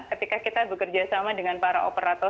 ketika kita bekerja sama dengan para operator